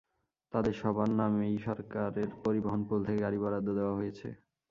তাঁদের সবার নামেই সরকারের পরিবহন পুল থেকে গাড়ি বরাদ্দ দেওয়া হয়েছে।